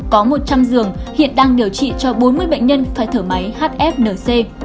có một trăm linh giường hiện đang điều trị cho bốn mươi bệnh nhân phải thở máy hfnc